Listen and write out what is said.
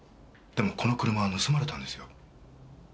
でもこの車は盗まれたんですよ。